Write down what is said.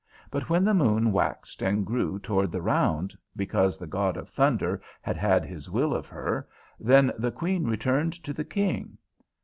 But when the moon waxed and grew toward the round, because the god of Thunder had had his will of her, then the Queen returned to the King.